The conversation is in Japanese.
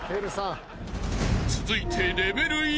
［続いて］